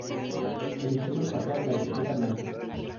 Eligieron pasar la etiqueta blanca.